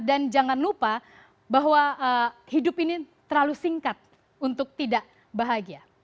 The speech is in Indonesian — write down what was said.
dan jangan lupa bahwa hidup ini terlalu singkat untuk tidak bahagia